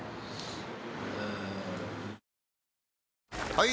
・はい！